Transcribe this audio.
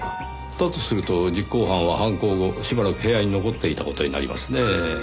だとすると実行犯は犯行後しばらく部屋に残っていた事になりますねぇ。